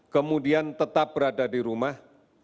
kemudian tetap berada di rumah